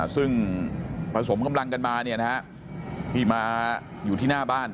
ซึ่งผสมกำลังกันมาที่มาอยู่ที่หน้าบ้าน